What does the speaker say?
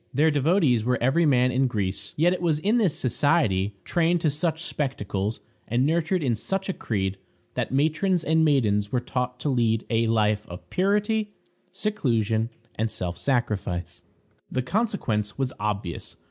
Their devotees were every man in Greece. Yet it was in this society, trained to such spectacles, and nurtured in such a creed, that matrons and maidens were taught to lead a life of purity, seclusion, and self sacrifice. The consequence was obvious.